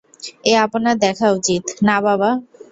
এ আপনার দেখা উচিত, না বাবা?